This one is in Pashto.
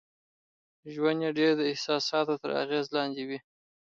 ژوند يې ډېر د احساساتو تر اغېز لاندې وي.